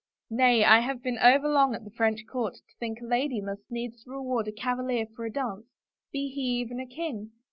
Nay — I have been overlong at the French court to think a lady must needs reward a cavalier for a dance — be he even a king